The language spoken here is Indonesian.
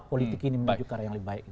politik ini menuju ke arah yang lebih baik